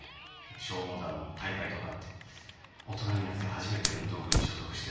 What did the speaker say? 消防団も大会とかあって大人になって初めて運動部に所属してる感じです今。